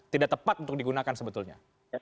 tidak tepat untuk digunakan sebetulnya